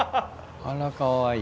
あらかわいい。